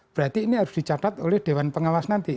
berarti ini harus dicatat oleh dewan pengawas nanti